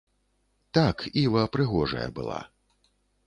Так, іва прыгожая была.